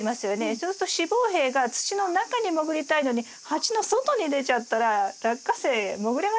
そうすると子房柄が土の中に潜りたいのに鉢の外に出ちゃったらラッカセイ潜れませんね。